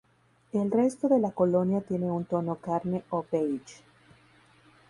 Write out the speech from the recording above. El resto de la colonia tiene un tono carne o beige.